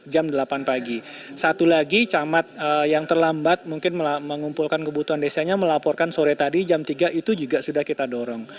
jam delapan pagi satu lagi camat yang terlambat mungkin mengumpulkan kebutuhan desanya melaporkan sore tadi jam tiga itu juga sudah kita dorong